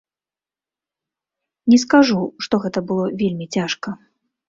Не скажу, што гэта было вельмі цяжка.